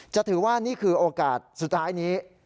จะถือว่านี่คือโอกาสสุดท้ายนี้